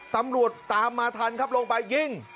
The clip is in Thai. ตำรวจตามมาทันครับลงไปยิง